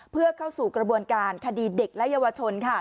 เพื่อเข้าสู่กระบวนการคดีเด็กและเยาวชน